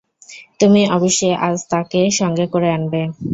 তুমি অবশ্যি আজ তাঁকে সঙ্গে করে আনবে।